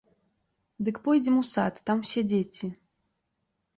Дык пойдзем у сад, там усе дзеці.